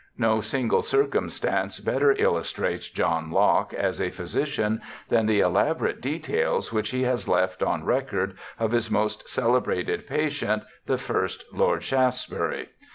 No single circumstance better illustrates John Locke as a physician than the elaborate details which he has left on record of his most celebrated patient, the first Lord Shaftesbury.